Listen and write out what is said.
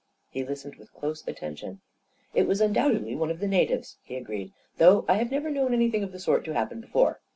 He listened with close atten tion. "It was undoubtedly one of the natives," he agreed, " though I have never known anything of the sort to happen before."